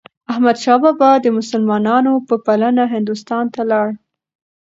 احمدشاه بابا د مسلمانانو په بلنه هندوستان ته لاړ.